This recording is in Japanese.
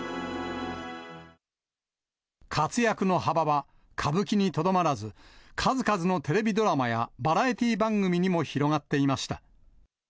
活躍の幅は歌舞伎にとどまらず、数々のテレビドラマやバラエティー番組にも広がっていました。